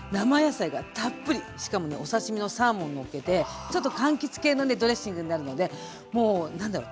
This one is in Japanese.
しかもねお刺身のサーモンをのっけてちょっとかんきつ系のねドレッシングになるのでもう何だろう